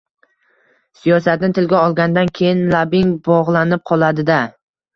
Siyosatni tilga olgandan keyin labing bog‘lanib qoladi-da.